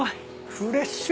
フレッシュ。